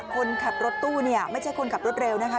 คนขับรถตู้เนี่ยไม่ใช่คนขับรถเร็วนะคะ